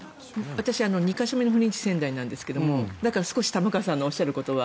私、２か所目の赴任地が仙台なんですけどだから少し玉川さんのおっしゃることは